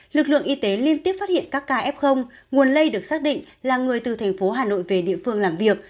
lực lượng y tế liên tiếp phát hiện các ca f nguồn lây được xác định là người từ thành phố hà nội về địa phương làm việc